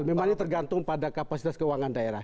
memang ini tergantung pada kapasitas keuangan daerah